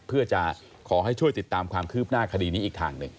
เพื่อจะขอให้ช่วยติดตามความคืบหน้าคดีนี้อีกทางหนึ่ง